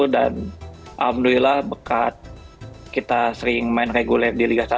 dan alhamdulillah bekas kita sering main reguler di liga satu